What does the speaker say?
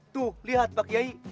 tuh lihat pak kiai